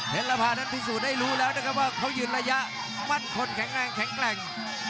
ระพานั้นพิสูจน์ได้รู้แล้วนะครับว่าเขายืนระยะมั่นคนแข็งแรงแข็งแกร่ง